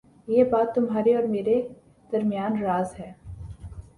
یہ بات تمہارے اور میرے درمیان راز ہے